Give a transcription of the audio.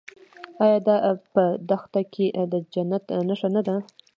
آیا دا په دښته کې د جنت نښه نه ده؟